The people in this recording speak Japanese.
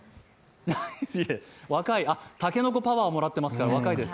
竹の子パワーをもらってますから、若いです！